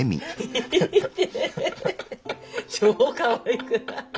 超かわいくない？